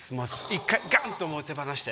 １回、ガンと手放して。